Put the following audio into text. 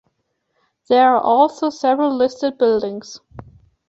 There are also several listed buildings.